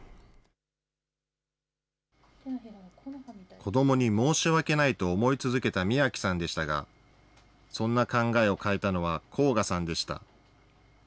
子どもに申し訳ないと思い続けた美暁さんでしたが、そんな考えを変えたのは、こうがさんでした。